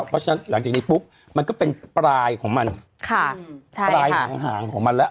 เพราะฉะนั้นหลังจากนี้ปุ๊บมันก็เป็นปลายของมันค่ะปลายหางของมันแล้ว